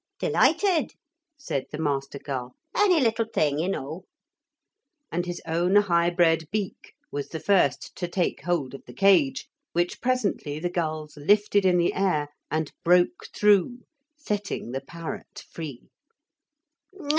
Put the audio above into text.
'Delighted,' said the master gull; 'any little thing, you know,' and his own high bred beak was the first to take hold of the cage, which presently the gulls lifted in the air and broke through, setting the parrot free.